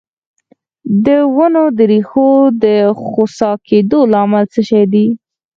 د ونو د ریښو د خوسا کیدو لامل څه دی؟